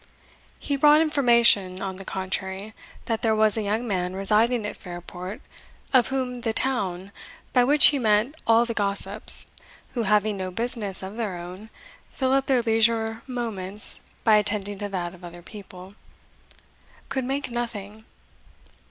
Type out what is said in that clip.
He brought information, on the contrary, that there was a young man residing at Fairport, of whom the town (by which he meant all the gossips, who, having no business of their own, fill up their leisure moments by attending to that of other people) could make nothing.